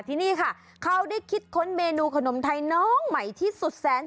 ที่นี่ค่ะเขาได้คิดค้นเมนูขนมไทยน้องใหม่ที่สุดแสน